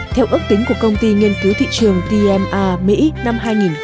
theo ước tính của công ty nghiên cứu thị trường tma mỹ năm hai nghìn một mươi chín